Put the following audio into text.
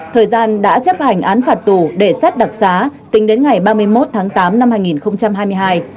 thời gian đã chấp hành án phạt tù để xét đặc xá tính đến ngày ba mươi một tháng tám năm hai nghìn hai mươi hai